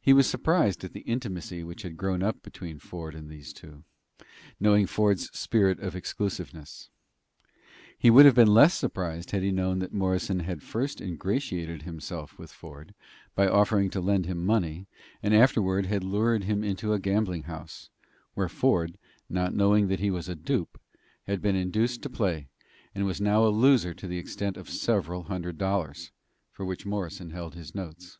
He was surprised at the intimacy which had grown up between Ford and those two, knowing Ford's spirit of exclusiveness. He would have been less surprised had he known that Morrison had first ingratiated himself with Ford by offering to lend him money, and afterward had lured him into a gambling house, where Ford, not knowing that he was a dupe, had been induced to play, and was now a loser to the extent of several hundred dollars, for which Morrison held his notes.